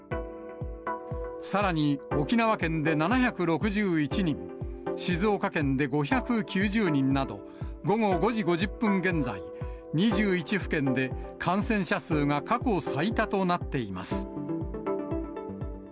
さらに、沖縄県で７６１人、静岡県で５９０人など、午後５時５０分現在、２１府県で感染者数が過去最多となっています。